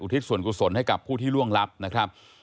ทิศส่วนกุศลให้กับผู้ที่ล่วงลับนะครับ